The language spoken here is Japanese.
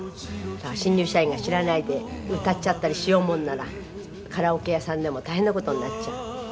黒柳：新入社員が知らないで歌っちゃったりしようもんならカラオケ屋さんでも大変な事になっちゃう。